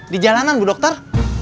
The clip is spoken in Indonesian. di jalanan bu dokter